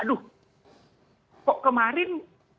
aduh kok kemarin